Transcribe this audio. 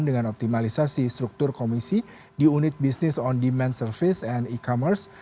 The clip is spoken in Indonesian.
dengan optimalisasi struktur komisi di unit bisnis on demand service and e commerce